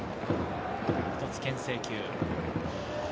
１つ、けん制球。